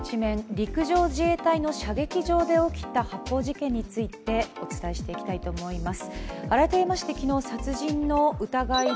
陸上自衛隊の射撃場で起きた発砲事件についてお伝えしていきたいと思います。